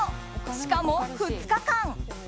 しかも２日間。